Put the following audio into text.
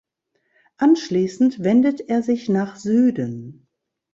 Anschließend wendet er sich nach Süden.